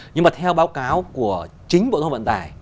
nhưng mà theo báo cáo của chính bộ giao thông vận tải